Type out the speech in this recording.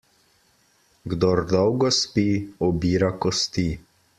Kdor dolgo spi, obira kosti.